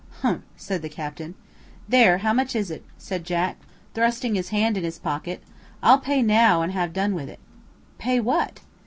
"Humph!" said the captain. "Here, how much is it?" said Jack, thrusting his hand in his pocket. "I'll pay now and ha' done with it." "Pay what?"